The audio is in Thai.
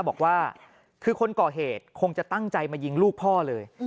บอกว่าคือคนก่อเหตุคงจะตั้งใจมายิงลูกพ่อเลย